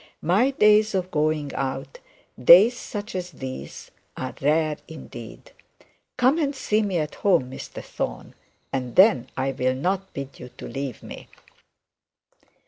My days of going out, days such as these, are rare indeed. Come and see me at home, Mr Thorne, and then I will not bid you to leave me.'